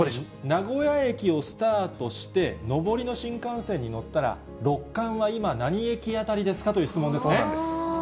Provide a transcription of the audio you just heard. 名古屋駅をスタートとして、上りの新幹線に乗ったら、六冠は今、何駅辺りですかという質問でそうなんです。